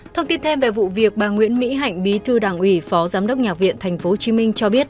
thông tin thêm về vụ việc bà nguyễn mỹ hạnh bí thư đảng ủy phó giám đốc nhạc viện tp hcm cho biết